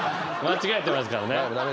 間違えてますからね。